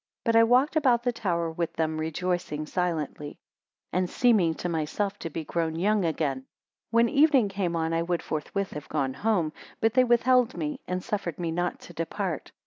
But I walked about the tower with them, rejoicing silently, and seeming to myself to be grown young again. 102 When the evening came on, I would forthwith have gone home, but they withheld me, and suffered me not to depart.